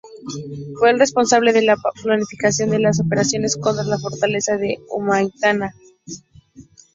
Fue el responsable de la planificación de las operaciones contra la Fortaleza de Humaitá.